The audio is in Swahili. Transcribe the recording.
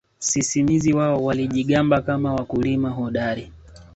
Sisimizi wao walijigamba kama wakulima hodari